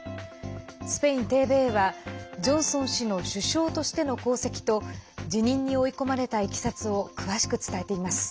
スペインＴＶＥはジョンソン氏の首相としての功績と辞任に追い込まれたいきさつを詳しく伝えています。